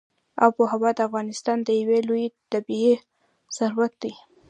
آب وهوا د افغانستان یو لوی طبعي ثروت دی.